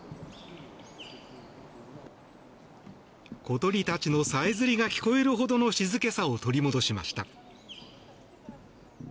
小鳥たちのさえずりが聞こえるほどの静けさを取り戻しました。